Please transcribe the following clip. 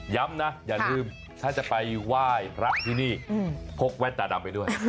ย้ำนะอย่าลืมถ้าจะไปไหว้พระที่นี่พกแว่นตาดำไปด้วย